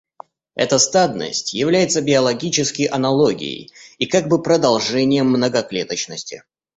Эта стадность является биологически аналогией и как бы продолжением многоклеточности.